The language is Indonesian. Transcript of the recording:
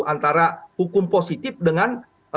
antara hukum positif dengan